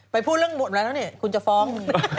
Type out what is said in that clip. พูดเรื่องหมดแล้วนี่คุณจะฟ้อง